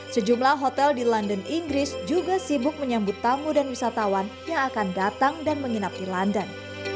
sejumlah hotel di london inggris juga sibuk menyambut tamu dan wisatawan yang akan datang dan menginap di london